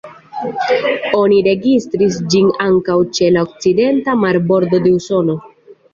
Oni registris ĝin ankaŭ ĉe la okcidenta marbordo de Usono.